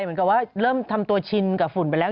เหมือนกับว่าเริ่มทำตัวชินกับฝุ่นไปแล้ว